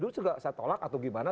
dulu sudah saya tolak atau gimana